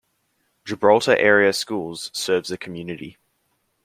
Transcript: Gibraltar Area Schools serves the community.